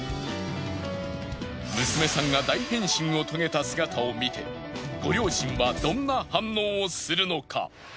娘さんが大変身を遂げた姿を見てご両親はどんな反応をするのか！？